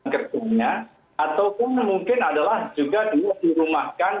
ketenganya ataupun mungkin adalah juga diumumkan